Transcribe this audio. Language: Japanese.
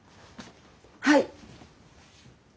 はい。